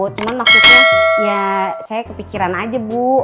cuma maksudnya ya saya kepikiran aja bu